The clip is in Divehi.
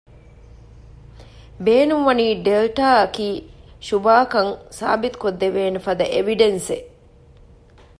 ބޭނުންވަނީ ޑެލްޓާ އަކީ ޝުބާކަން ސާބިތުކޮށްދެވޭނެފަދަ އެވިޑެންސްއެއް